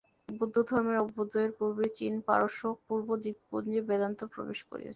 বৌদ্ধধর্মের অভ্যুদয়ের পূর্বেই চীন, পারস্য ও পূর্ব দ্বীপপুঞ্জে বেদান্ত প্রবেশ করিয়াছিল।